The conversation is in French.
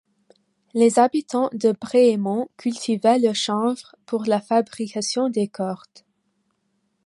Les habitants de Bréhémont cultivaient le chanvre pour la fabrication des cordes.